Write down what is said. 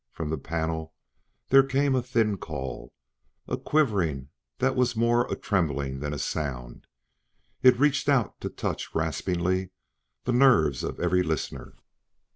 From the panel there came a thin call, a quivering that was more a trembling than a sound; it reached out to touch raspingly the nerves of every listener.